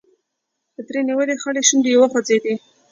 پتري نيولې خړې شونډې يې وخوځېدې.